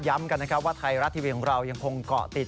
กันนะครับว่าไทยรัฐทีวีของเรายังคงเกาะติด